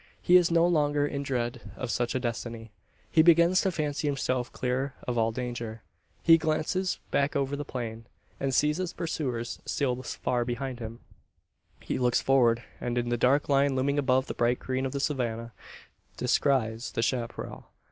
He is no longer in dread of such a destiny. He begins to fancy himself clear of all danger. He glances back over the plain, and sees his pursuers still far behind him. He looks forward, and, in the dark line looming above the bright green of the savannah, descries the chapparal.